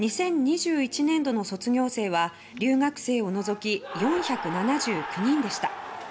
２０２１年度の卒業生は留学生を除き４７９人でした。